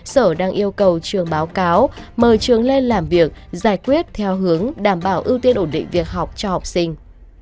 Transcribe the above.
sở đang yêu cầu trường báo cáo mời trường lên làm việc giải quyết theo hướng đảm bảo ưu tiên ổn định việc học cho học sinh